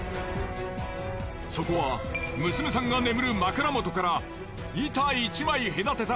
そこは娘さんが眠る枕元から板１枚隔てた